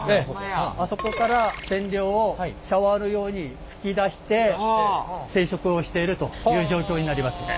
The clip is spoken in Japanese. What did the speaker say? あそこから染料をシャワーのように噴き出して染色をしているという状況になりますね。